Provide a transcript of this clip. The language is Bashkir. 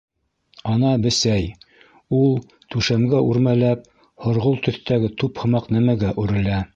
Ана, бесәй, ул, түшәмгә үрмәләп, һорғолт төҫтәге туп һымаҡ нәмәгә үрелә.